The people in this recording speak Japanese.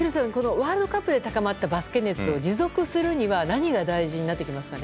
ワールドカップで高まったバスケ熱を持続するには何が大事になってきますかね？